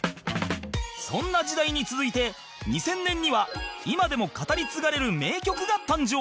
そんな時代に続いて２０００年には今でも語り継がれる名曲が誕生